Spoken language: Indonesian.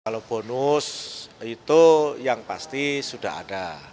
kalau bonus itu yang pasti sudah ada